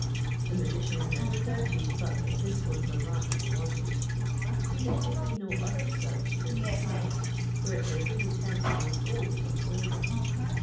The magician never doubted but this was the lamp he wanted. There could be no other such in this palace, where every utensil was gold or silver.